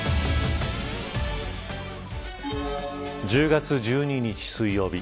１０月１２日水曜日